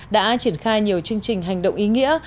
đã triển khai nhiều chương trình hành động ý nghĩa